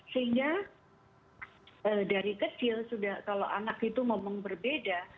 sehingga dari kecil sudah kalau anak itu ngomong berbeda